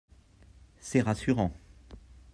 C’est rassurant